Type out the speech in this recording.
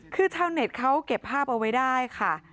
คือชาวเน็ตเขาเก็บภาพเอาไว้ได้ค่ะ